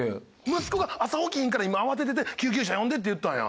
息子が朝起きひんから今慌てていて救急車呼んでって言ったんや。